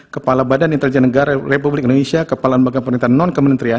kepala badan intelijen negara republik indonesia kepala lembaga pemerintahan non kementerian